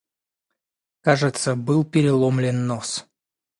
Кажется, был переломлен нос.